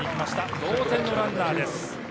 同点のランナーです。